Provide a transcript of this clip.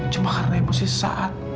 cuma karena emosi sesaat